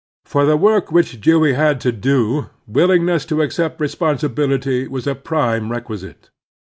For the work which Dewey had to do willing ness to accept responsibility was a prime reqtiisite.